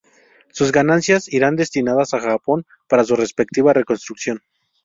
Sus ganancias irán destinadas a Japón para su respectiva reconstrucción.